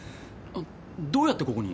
どうやってここに？